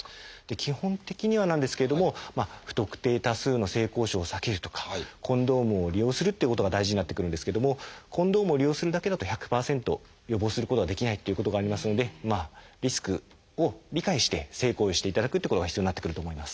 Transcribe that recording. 基本的にはなんですけれども不特定多数の性交渉を避けるとかコンドームを利用するっていうことが大事になってくるんですけどもコンドームを利用するだけだと１００％予防することができないっていうことがありますのでリスクを理解して性行為をしていただくってことが必要になってくると思います。